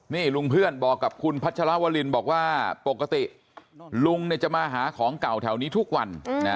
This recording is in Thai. นี่ลุงเพื่อนบอกกับคุณพัชรวรินบอกว่าปกติลุงจะมาหาของเก่าแถวนี้ทุกวัน